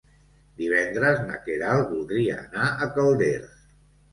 Divendres na Queralt voldria anar a Calders.